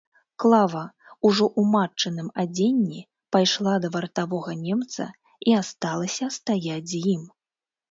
Клава, ужо ў матчыным адзенні, пайшла да вартавога немца і асталася стаяць з ім.